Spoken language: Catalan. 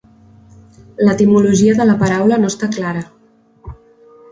L'etimologia de la paraula no està clara.